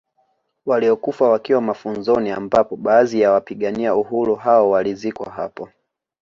Waliokufa wakiwa mafunzoni ambapo baadhi ya wapigania uhuru hao walizikwa hapo